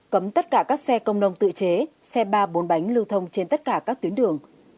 cấm tất cả các xe công nông tự chế xe ba bốn bánh lưu thông trên tất cả các tuyến đường